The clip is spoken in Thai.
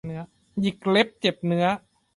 หยิกเล็บเจ็บเนื้อ